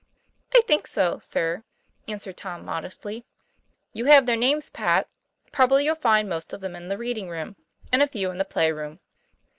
"I think so, sir," answered Tom modestly. 'You have their names pat; probably you'll find most of them in the reading room, and a few in the play room."